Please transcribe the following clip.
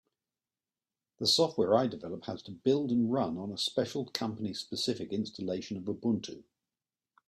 The software I develop has to build and run on a special company-specific installation of Ubuntu.